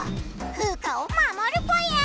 フウカをまもるぽよ！